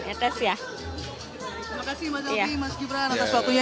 terima kasih mbak selvi mas gibran atas waktunya